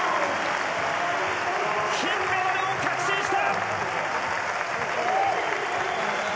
金メダルを確信した。